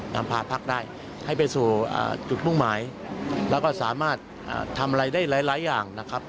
นำพาพักได้ให้ไปสู่จุดมุ่งหมายแล้วก็สามารถทำอะไรได้หลายอย่างนะครับ